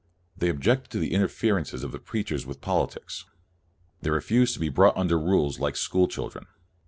They objected to the interfer ence of the preachers with politics. They refused to be brought under rules, like school children.